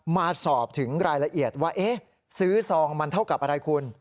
มาสอบถึงรายละเอียดว่าเอ๊ะซื้อซองมันเท่ากับอะไรคุณ